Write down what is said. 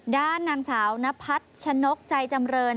ด้านนางสาวนพัฒน์ชนกใจจำเริน